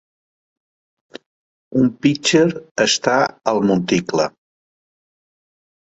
Un pitcher està al monticle.